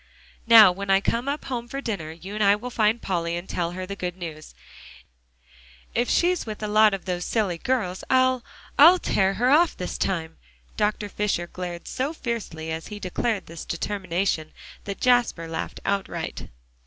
"Now when I come up home for dinner, you and I will find Polly, and tell her the good news. If she's with a lot of those silly girls, I'll I'll tear her off this time." Dr. Fisher glared so fiercely as he declared this determination that Jasper laughed outright.